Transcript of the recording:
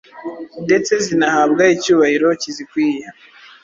ndetse zinahabwa icyubahiro. kizikwiye